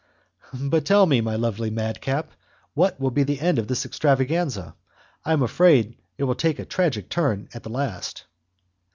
"But, tell me, lovely madcap, what will be the end of this extravaganza? I am afraid it will take a tragic turn at the last."